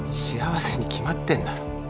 幸せに決まってんだろ」